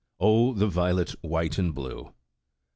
Oh, the violet, white and blue